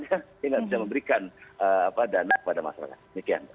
sehingga tidak bisa memberikan dana kepada masyarakat